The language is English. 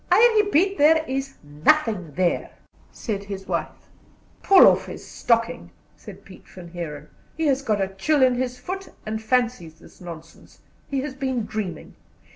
"I repeat there is nothing there," said his wife. "Pull off his stocking," said Pete Van Heeren; "he has got a chill in his foot, and fancies this nonsense. He has been dreaming."